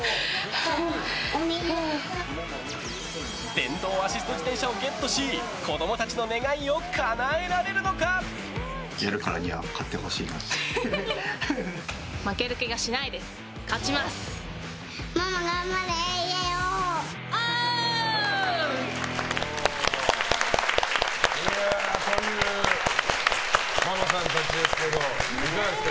電動アシスト自転車をゲットし子供たちの願いをかなえられるのか？というママさんたちですけどいかがですか？